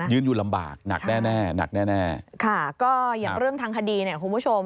ยืนอยู่ลำบากหนักแน่ค่ะอย่างเรื่องทางคดีคุณผู้ชม